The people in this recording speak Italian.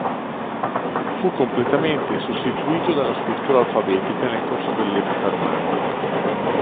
Fu completamente sostituito dalla scrittura alfabetica nel corso dell'epoca romana.